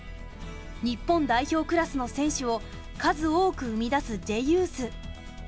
日本代表クラスの選手を数多く生み出すＪユース。